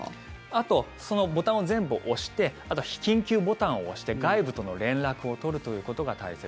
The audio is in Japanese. あと、ボタンを全部押してあとは緊急ボタンを押して外部との連絡を取るということが大切。